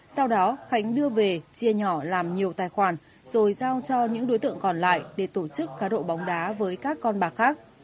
sau đó khánh đưa về chia nhỏ làm nhiều tài khoản rồi giao cho những đối tượng còn lại để tổ chức cá độ bóng đá với các con bạc khác